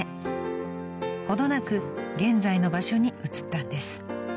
［ほどなく現在の場所に移ったんです］